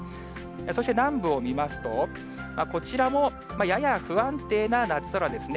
そして南部を見ますと、こちらもやや不安定な夏空ですね。